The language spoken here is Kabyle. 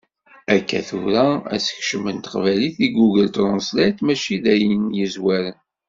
Akka tura, asekcem n teqbaylit deg Google Translate mačči d ayen yezwaren.